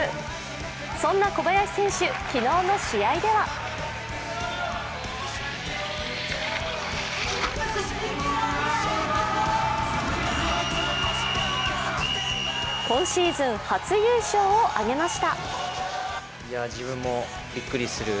そんな小林選手、昨日の試合では今シーズン初優勝をあげました。